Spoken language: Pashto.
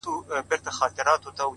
عاجزي ستر شخصیت نور هم ښکلی کوي’